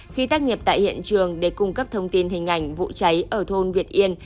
khi tác nghiệp tại hiện trường để cung cấp thông tin hình ảnh vụ cháy ở thôn việt yên